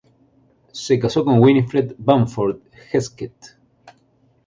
Se casó con Winifred Bamford-Hesketh.